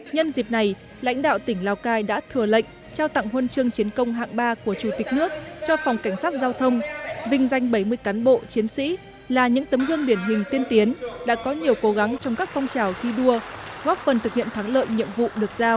nhân dịp này lãnh đạo tỉnh lào cai đã thừa lệnh trao tặng huân chương chiến công hạng ba của chủ tịch nước cho phòng cảnh sát giao thông vinh danh bảy mươi cán bộ chiến sĩ là những tấm gương điển hình tiên tiến đã có nhiều cố gắng trong các phong trào thi đua góp phần thực hiện thắng lợi nhiệm vụ được giao